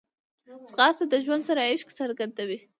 ځغاسته د ژوند سره عشق څرګندوي